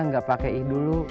gak pake ih dulu